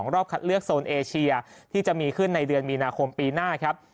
รอบคัดเลือกโซนเอเชียที่จะมีขึ้นในเดือนมีนาคมปีหน้าครับ